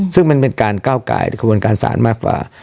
ซึ่งมันเป็นการก้าวกายขบวนการศาลมากกว่า